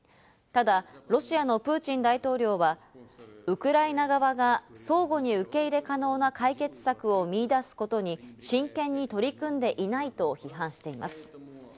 ただロシアのプーチン大統領は、ウクライナ側が相互に受け入れ可能な解決策を見いだすことに真剣に取り組んでいないと批判しています。